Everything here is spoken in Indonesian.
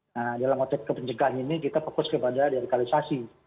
nah dalam otot ke pencegahan ini kita fokus kepada de rekalisasi